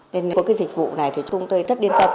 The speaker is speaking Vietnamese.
nên có cái dịch vụ này thì chúng tôi rất điên tập